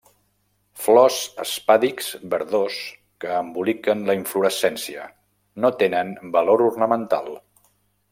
Flors espàdix verdós que emboliquen la inflorescència; no tenen valor ornamental.